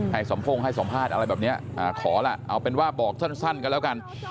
สมพงศ์ให้สัมภาษณ์อะไรแบบนี้ขอล่ะเอาเป็นว่าบอกสั้นกันแล้วกัน